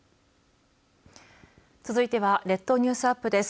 続いては列島ニュースアップです。